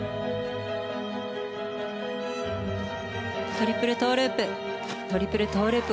トリプルトウループトリプルトウループ。